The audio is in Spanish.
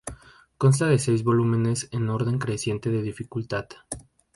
Consta de seis volúmenes en orden creciente de dificultad